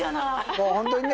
もうホントにね